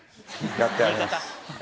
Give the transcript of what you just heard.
やってやります。